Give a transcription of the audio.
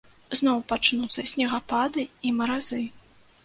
Зноў пачнуцца снегапады і маразы.